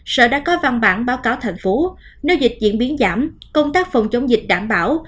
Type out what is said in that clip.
sở đã có văn bản báo cáo thành phố nếu dịch diễn biến giảm công tác phòng chống dịch đảm bảo